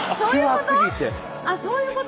そういうこと？